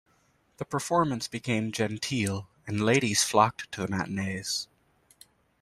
The performance became genteel, and ladies flocked to the matinees.